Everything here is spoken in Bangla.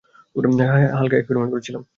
হালকা এক্সপেরিমেন্ট করছিলাম।